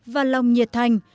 và lòng nhiệt thành